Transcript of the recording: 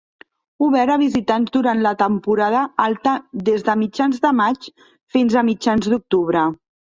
Obert a visitants durant temporada alta des de mitjans de maig fins a mitjans d'octubre.